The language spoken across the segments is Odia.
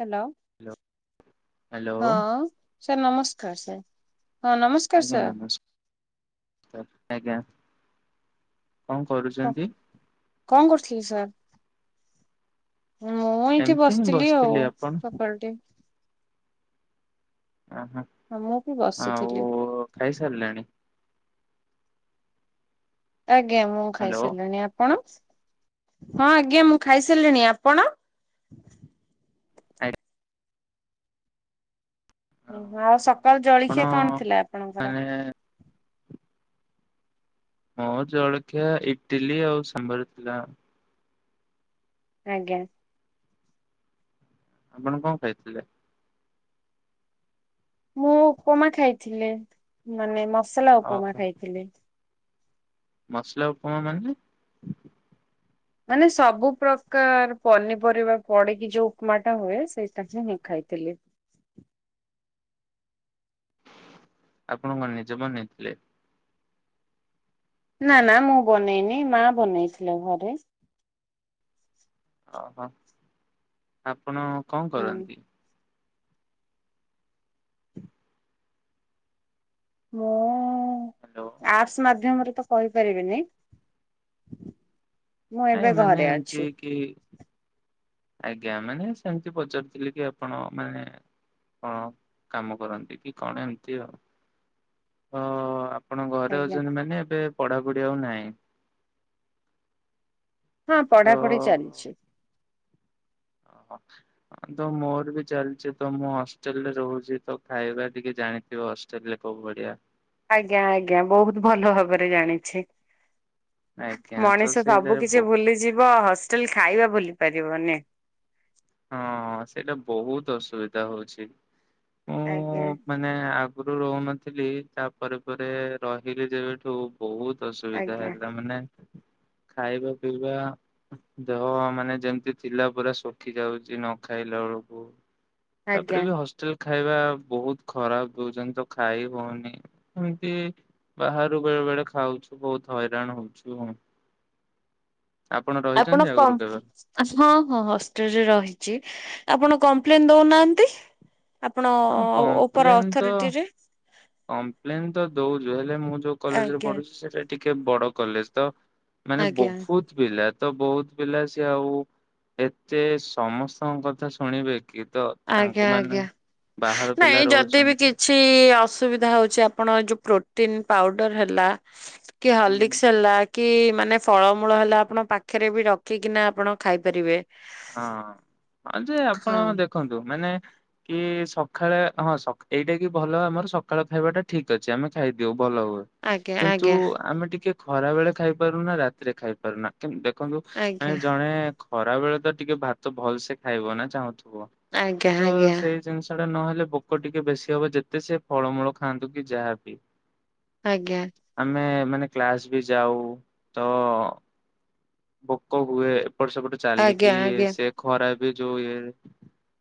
ହ୍ୟାଲୋ। ହ୍ୟାଲୋ ହ୍ୟାଲୋ ହଁ ସାର୍ ନମସ୍କାର ସାର୍। ହଁ ନମସ୍କାର ଆଜ୍ଞା ସାର୍। ନମସ୍କାର ଆଜ୍ଞା କଣ କରୁଛନ୍ତି? କଣ କରୁଥିଲେ ସାର୍? ମୁଁ ଏଇଠି ଏମିତି ହିଁ ବସିଥିଲି ଆଉ ଆପଣ ସକାଳୁ ଉଠି ଆଁ ଆଁ। ହଁ ମୁଁ ବି ବସିଥିଲି। ଖାଇ ସାରିଲଣି? ଆଜ୍ଞା ମୁଁ ହ୍ୟାଲୋ ଖାଇସାରିଲିଣି। ଆପଣ ହଁ ଆଜ୍ଞା ମୁଁ ଖାଇସାରିଲିଣି। ଆପଣ? ଆଜ୍ଞା। ଓହୋ ଆଉ ସକାଳୁ ଆପଣ ଜଳଖିଆ କଣ ଥିଲା ଆପଣଙ୍କର? ମାନେ ହଁ ଜଳଖିଆ ଇଟିଲି ଆଉ ସାମ୍ବର ଥିଲା। ଆଜ୍ଞା। ଆପଣ କଣ ଖାଇଥିଲେ? ମୁଁ ଉପମା ଖାଇଥିଲେ ମାନେ ମସଲା ଓହୋ ଉପମା ଖାଇଥିଲେ। ମସଲା ଉପମା ମାନେ ମାନେ ସବୁ ପ୍ରକାର ପନିପରିବା ପଡିକି ଯୋଉ ଉପମା ଟା ହୁଏ ସେଇଟା ହିଁ ମୁଁ ଖାଇଥିଲି। ଆପଣ କଣ ନିଜେ ବନେଇଥିଲେ? ନା ନା ମୁଁ ବନେଇନି ମା ବନେଇଥିଲେ ଘରେ। ଓହୋ ଆପଣ କଣ ହଁ କରନ୍ତି? ମୁଁ ହ୍ୟାଲୋ। ଆପସ ମାଧ୍ୟମରେ ତ କହିପାରିବିନି। ମୁଁ ଏବେ ଘରେ ଅଛି। ହୁଁ। ଆଜ୍ଞା ମାନେ ସେମତି ପଚାରୁଥିଲି କି ଆପଣ ମାନେ କଣ କାମ କରନ୍ତି କି କଣ ଏମିତି ଆଉ ତ ଆପଣ ଘରେ ଆଜ୍ଞା ଅଛନ୍ତି ମାନେ ଏବେ ପଢାପଢି ଆଉ ନାହିଁ। ହଁ ତ ପଢାପଢି ଚାଲିଛି। ଓହୋ। ହଁ ତ ମୋର ବି ଚାଲିଛି ତ ମୁଁ ହଷ୍ଟେଲ ରେ ରହୁଛି ତ ଖାଇବା ଟିକେ ଜାଣିଥିବ ହଷ୍ଟେ ହଷ୍ଟେଲରେ କୋଉ ଭଳିଆ। ଆଜ୍ଞା, ଆଜ୍ଞା ବହୁତ ଭଲ ଭାବରେ ଜାଣିଛି। ଆଜ୍ଞା ତ ମଣିଷ ସବୁ ସେଇଟାରେ କିଛି ହଁ ଭୁଲିଯିବ ହଷ୍ଟେଲ ଖାଇବା ଭୁଲି ପାରିବନି। ହଁ ସେଇଟା ବହୁତ ଅସୁବିଧା ହଉଛି। ଆଜ୍ଞା। ମାନେ ଆଗରୁ ରହୁନଥିଲି ତାପରେ ପରେ ରହିଲି ଯେବେଠୁ ବହୁତ ଅସୁବିଧା ଆଜ୍ଞା ହେଲା ମାନେ ଖାଇବା ପିଇବା ଦେହ ମାନେ ଯେମିତି ଥିଲା ପୁରା ସୁଖି ଯାଉଛି ନ ଖାଇଲା ବେଳକୁ ଆଜ୍ଞା। ତାପରେ ବି ହଷ୍ଟେଲ ଖାଇବା ବହୁତ ଖରାପ ଦଉଛନ୍ତି ତ ଖାଇ ହଉନି। ଏମତି ବାହାରୁ ବେଳେ ବେଳେ ଖାଉଛୁ ବହୁତ ହଇରାଣ ହଉଛୁ। ଆପଣ ରହିଛନ୍ତି ଆଗରୁ କମ କେବେ? [unintelligible] ହଁ ହଁ ହଷ୍ଟେଲ ରେ ରହିଛି ଆପଣ କମ୍ପ୍ଲେନ ଦଉନାହାନ୍ତି। ଆପଣ ହଁ ଉପର ଅଥରିଟି ରେ କମ୍ପ୍ଲେନ୍ ତ ଦଉଛୁ ହେଲେ ମୁଁ ଯୋଉ କଲେଜ୍ ରେ ଆଜ୍ଞା ପଢୁଛି ସେଇଟା ଟିକେ ବଡ କଲେଜ୍ ତ। ମାନେ ଆଜ୍ଞା ବହୁତ ପିଲା ତ ବହୁତ ପିଲା ସିଏ ଆଉ ଏତେ ସମସ୍ତଙ୍କ କଥା ଶୁଣିବେ କି ତ ଆଜ୍ଞା ତାଙ୍କୁ ମାନେ ଆଜ୍ଞା। ବାହାର ପିଲା ନାଇଁ ଯଦି ବି ରହୁଛନ୍ତି। କିଛି ଅସୁବିଧା ହଉଛି ଆପଣ ଯୋଉ ପ୍ରୋଟିନ୍ ପାଉଡର ହେଲା କି ହୁଁ। ହର୍ଲିକ୍ସ୍ ହେଲା। କି ମାନେ ଫଳମୂଳ ହେଲା ଆପଣ ପାଖରେ ବି ରଖିକିନା ଆପଣ ଖାଇପାରିବେ। ହଁ ହଁ ଯେ ହଁ ଆପଣ ଦେଖନ୍ତୁ ମାନେ କି ସକାଳେ ହଁ ସ ଏଇଟା କି ଭଲ ଆମର ସକାଳେ ଖାଇବା ଟା ଠିକ୍ ଅଛି ଆମେ ଖାଇଦିଉ ଭଲ ହୁଏ। ଆଜ୍ଞା କିନ୍ତୁ ଆଜ୍ଞା ଆମେ ଟିକେ ଖରା ବେଳେ ଖାଇପାରୁନା ରାତିରେ ଖାଇ ପାରୁନା। ଦେଖନ୍ତୁ ଆଜ୍ଞା ମାନେ ଜଣେ ଖରା ବେଳେ ତ ଟିକେ ଭାତ ଭଲସେ ସେ ଖାଇବ ନା ଚାହୁଁଥିବ। ଆଜ୍ଞା ତ ଆଜ୍ଞା। ସେଇ ଜିନିଷ ଟା ନହେଲେ ଭୋକ ଟିକେ ବେଶୀ ହବ ଯେତେ ସିଏ ଫଳମୂଳ ଖାଆନ୍ତୁ କି ଯାହାବି ଆଜ୍ଞା ଆମେ ମାନେ କ୍ଲାସ ବି ଯାଉ ତ ଭୋକ ହୁଏ। ଏପଟ ସେପଟେ ଆଜ୍ଞା ଆଜ୍ଞା। ଏ ଖରା ବି ଯୋଉ ଇଏ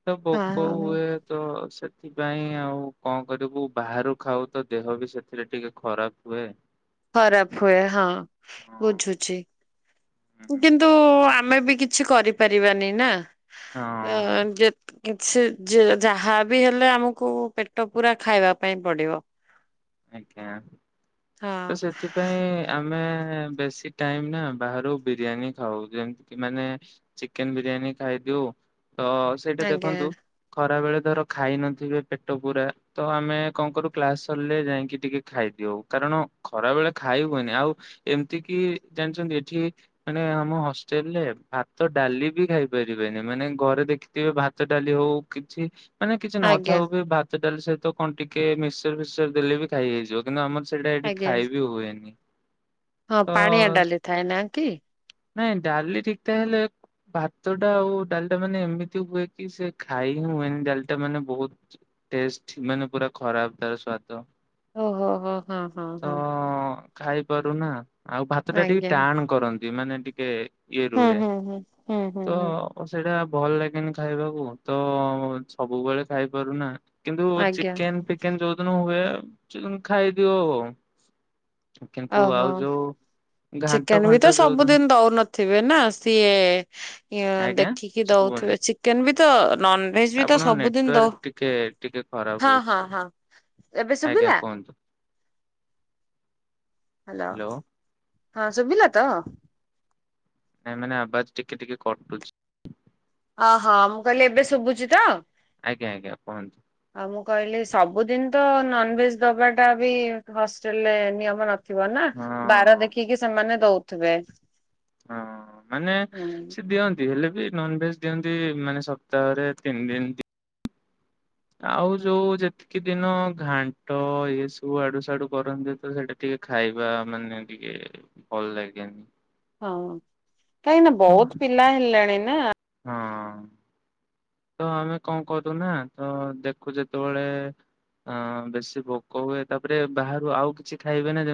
ତ ହଁ ଭୋକ ହଁ ହଁ ହୁଏ। ତ ସେଥିପାଇଁ ଆଉ କଣ କରିବୁ ବାହାରୁ ଖାଉ ତ ଦେହ ବି ସେଥିରେ ଟିକେ ଖରାପ ହୁଏହ ହ ଖରାପ ହୁଏ ହଁ ବୁଝୁଛି ହଁ କିନ୍ତୁ ଆମେ ବି କିଛି କରିପାରିବାନି ନା ଆଜ୍ଞା। ଯେ କିଛି ଯ ଯାହା ବି ହେଲେ ଆମକୁ ପେଟ ପୂରା ଖାଇବା ପାଇଁ ପଡିବ। ଆଜ୍ଞା ହଁ ତ ସେଥିପାଇଁ ଆମେ ବେଶୀ ଟାଇମ୍ ନା ବାହାରୁ ବିରିୟାନୀ ଖାଉ ଯେମିତି ମାନେ ଚିକେନ ବିରିୟାନୀ ଖାଇଦିଉ ତ ସେଇଟା ଆଜ୍ଞା ଦେଖନ୍ତୁ ଖରା ବେଳେ ଧର ଖାଇ ନଥିବେ ପେଟ ପୁରା ତ ଆମେ କଣ କରୁ କ୍ଲାସ ସରିଲେ ଯାଇକି ଟିକେ ଖାଇଦିଉ କାରଣ ଖରା ବେଳେ ଖାଇ ହୁଏନି ଆଉ ଏମିତି କିି ଜାଣିଛନ୍ତି ଏଠି ମାନେ ଆମ ହଷ୍ଟେଲ୍ ରେ ଭାତ ଡାଲି ବି ଖାଇପାରିବେନି ମାନେ ଘରେ ଦେଖି ଭାତ ଡାଲି ହଉ କିଛି ମାନେ କିଛି ଆଜ୍ଞା। ନଥାଉ ବି ଭାତ ଡାଲି ସହିତ କଣ ଟିକେ ମିକ୍ସଚର୍ ଫିକସଚର୍ ଦେଲେ ବି ଖାଇ ହେଇଯିବ କିନ୍ତୁ ଆମର ସେଇଟା ଏଠି ଆଜ୍ଞା ଖାଇବି ହୁଏନି। ହଁ ତ ପାଣିଆ ଡାଲି ଥାଏ ନା କି? ନାଇଁ ଡାଲି ଠିକ୍ ଠାକ୍ ହେଲେ ଭାତ ଟା ଆଉ ଡାଲିଟା ମାନେ ଏମିତି ହୁଏ କି ସେ ଖାଇ ହିଁ ହୁଏନି ଡାଲିଟା ମାନେ ବହୁତ ଟେଷ୍ଟ୍ ମାନେ ପୁରା ଖରାପ୍ ତାର ସ୍ବାଦ। ଓହୋ ହୋ ହୋ ହଁ ହଁ ଖାଇପାରୁନା ଆଉ ଭାତ ଟା ଟିକେ ଆଜ୍ଞା ଟାଣ କରନ୍ତି ମାନେ ଟିକେ ହୁଁ ହୁଁ ହୁଁ ହୁଁ ହୁଁ ହୁଁ ଓ ସେଇଟା ଭଲ ଲାଗେନି ଖାଇବାକୁ ତ ସବୁବେଳେ ଖାଇପାରୁନା। କିନ୍ତୁ ଆଜ୍ଞା ଚିକେନ୍ ଫିକେନ୍ ଯୋଉଦିନ ହୁଏ ସେଦିନ ଖାଇଦିଉ। କିନ୍ତୁ ଆଉ ଯୋଉ ଘାଣ୍ଟ ଚିକେନ୍ ବି ଫାଣ୍ଟ ତ ଯୋଉ ସବୁଦିନ ଦଉନଥିବେ ନା ସିଏ। ଆଜ୍ଞା ଦେଖିକି ଶୁଭୁନି। ଦଉଥିବେ ଚିକେନ ବି ତ ନନ ଭେଜ୍ ବି ତ ଆପଣଙ୍କ ସବୁଦିନ ନେଟୱାର୍କ ଦଉ ଟିକେ ଟିକେ ଖରାପ ହଁ ହଁ ହଉଛି। ହଁ ଏବେ ଆଜ୍ଞା ଶୁଭିଲା। କୁହନ୍ତୁ ହ୍ୟାଲୋ। ହଁ ସୁଭିଲା ତ? ନାଇଁ ମାନେ ଆବାଜ ଟିକେ ଟିକେ କଟୁଛି। ଓହୋ ମୁଁ କହିଲି, ଏବେ ଶୁଭୁଛି ତ? ଆଜ୍ଞା ଆଜ୍ଞା କୁହନ୍ତୁ। ଆଉ ମୁଁ କହିଲି, ସବୁଦିନ ତ ନନ୍‌ଭେଜ୍‌ ଦବାଟା ବି ହଷ୍ଟେଲରେ ନିୟମ ନ ଥିବ ନା, ହଁ ବାର ଦେଖିକି ସେମାନେ ଦଉଥିବେ। ହଁ ମାନେ, ହୁଁ ସେ ଦିଅ ନ୍ତି ହେଲେ ବି ନନ୍‌ଭେଜ୍‌ ଦିଅନ୍ତି ମାନେ ସପ୍ତାହରେ ତିନି ଦିନ ଆଉ ଯୋଉ ଯେତିକି ଦିନ ଘାଣ୍ଟ ଏସବୁ ଆଡୁ ସାଡୁ କରନ୍ତି, ତ ସେଟା ଟିକେ ଖାଇବା ମାନେ ଟିକେ ଭଲ ଲାଗେନି। ହଁ। କାହିଁକି ନା ତ ବହୁତ ପିଲା ହେଲେଣି ନା। ହଁ। ତ ଆମେ କଣ କରୁ ନା, ତ ଦେଖୁ ଯେତେବେଳେ ହଁ ବେଶୀ ଭୋକ ହୁଏ, ତାପରେ ବାହାରୁ ଆଉ କିଛି ଖାଇବେ ନା, ଯେମିତି